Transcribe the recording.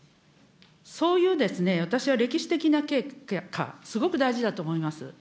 そういう私は歴史的な経過、すごく大事だと思います。